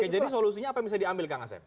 oke jadi solusinya apa yang bisa diambil kang asep